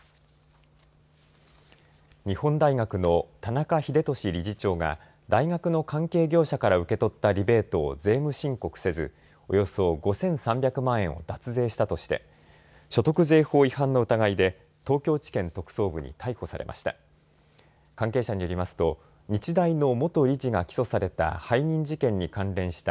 日本大学の田中英壽理事長が大学の関係業者から受け取ったリベートを税務申告せずおよそ５３００万円を脱税したとして所得税法違反の疑いで東京地検特捜部に逮捕されました。